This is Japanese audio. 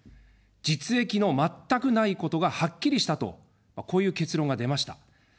実益の全くないことがはっきりしたと、こういう結論が出ました。